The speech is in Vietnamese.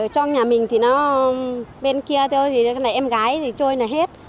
trong nhà mình thì nó bên kia thôi em gái trôi là hết